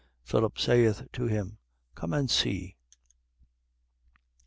Philip saith to him: Come and see.